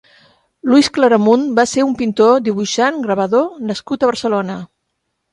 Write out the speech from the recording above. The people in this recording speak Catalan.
Luis Claramunt va ser un pintor, dibuixant, gravador nascut a Barcelona.